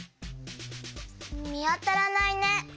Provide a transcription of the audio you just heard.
みあたらないね。